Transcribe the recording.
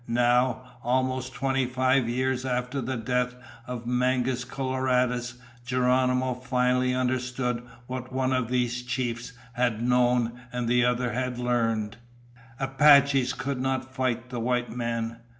Now, almost twenty five years after the death of Mangus Coloradus, Geronimo finally understood what one of these chiefs had known and the other had learned. Apaches could not fight the white men.